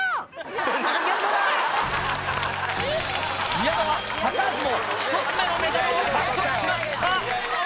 宮川図らずも１つ目のメダルを獲得しました！